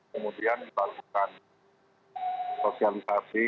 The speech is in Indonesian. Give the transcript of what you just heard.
kemudian dibalikkan sosialisasi